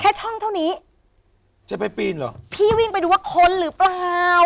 แค่ช่องเท่านี้จะไปปีนเหรอพี่วิ่งไปดูว่าคนหรือเปล่า